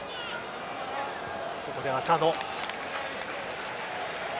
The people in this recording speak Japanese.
ここで浅野。